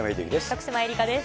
徳島えりかです。